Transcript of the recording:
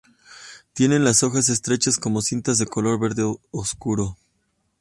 Tienen las hojas estrechas como cintas de color verde oscuro.